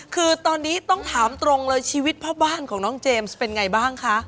คือตอนนี้ต้องถามตรงเลยชีวิตพ่อบ้านของน้องเจมส์เป็นไงบ้างคะ